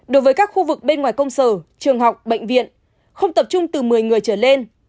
đối với các khu vực bên ngoài công sở trường học bệnh viện không tập trung từ một mươi người trở lên